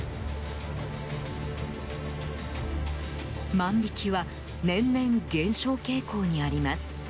万引きは年々減少傾向にあります。